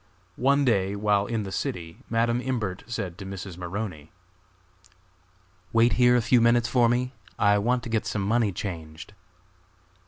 One day, while in the city, Madam Imbert said to Mrs. Maroney: "Wait here a few minutes for me, I want to get some money changed."